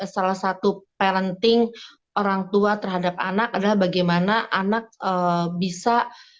salah satu parenting orang tua terhadap anak adalah bagaimana anak bisa